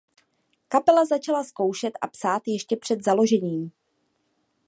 Kapela začala zkoušet a psát ještě před založením.